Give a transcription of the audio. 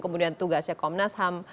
kemudian tugasnya komnas ham